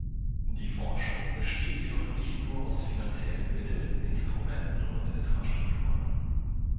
Die Forschung besteht jedoch nicht nur aus finanziellen Mitteln, Instrumenten und Infrastrukturen.